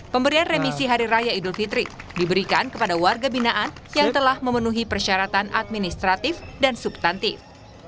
pemberian remisi hari raya idul fitri diberikan kepada warga binaan yang telah memenuhi persyaratan administratif dan subtantif